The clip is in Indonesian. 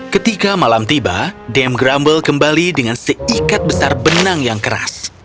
ketika malam tiba dame grumble kembali dengan seikat besar benang yang keras